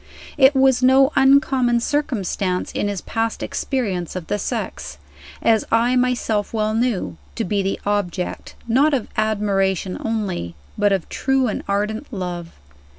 It was no uncommon circumstance in his past experience of the sex as I myself well knew to be the object, not of admiration only, but of true and ardent love.